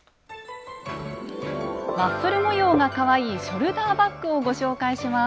ワッフル模様がかわいいショルダーバッグをご紹介します。